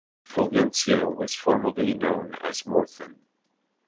Fulgencio was formerly known as "Morthon".